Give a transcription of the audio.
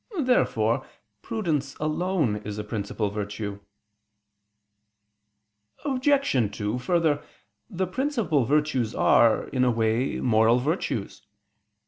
Therefore prudence alone is a principal virtue. Obj. 2: Further, the principal virtues are, in a way, moral virtues.